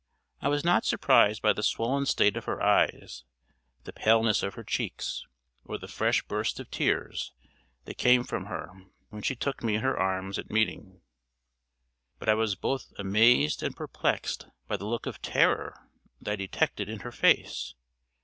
I was not surprised by the swollen state of her eyes, the paleness of her cheeks, or the fresh burst of tears that came from her when she took me in her arms at meeting. But I was both amazed and perplexed by the look of terror that I detected in her face.